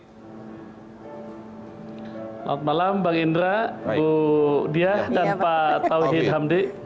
selamat malam bang indra bu diah dan pak tauhid hamdi